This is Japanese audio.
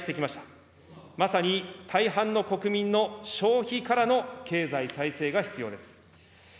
まさに大半の国民の消費からの経済再生が必要です。